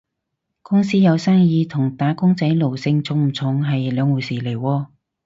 公司有生意同打工仔奴性重唔重係兩回事嚟喎